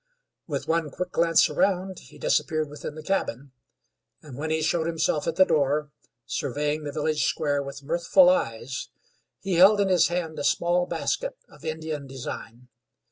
With one quick glance around he disappeared within the cabin, and when he showed himself at the door, surveying the village square with mirthful eyes, he held in his hand a small basket of Indian design.